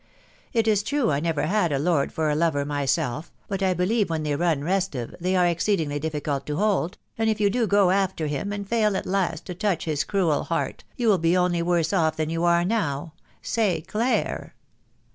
It is true I never had a lord for a lover myself, but I believe when they run restive, they are exceedingly difficult to hold ; and if you do go after him, and fail at last to touch his cruel heart, you will be only worse off than you are now .... Say dare."